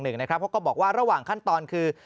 เขาก็บอกว่าระหว่างขั้นตอนคือ